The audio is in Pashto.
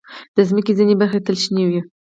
د مځکې ځینې برخې تل شنې وي.